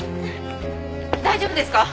大丈夫ですか？